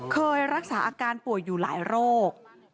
เคยรักษาอาการป่วยอยู่หลายโรค